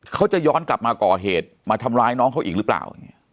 เขาจะย้อนกลับมาก่อเหตุมาทำร้ายน้องเขาอีกหรือเปล่า